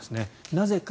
なぜか。